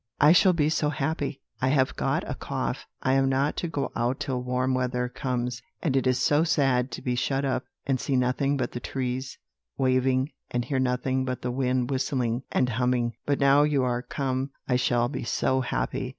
I shall be so happy! I have got a cough; I am not to go out till warm weather comes; and it is so sad to be shut up and see nothing but the trees waving, and hear nothing but the wind whistling and humming. But now you are come I shall be so happy!'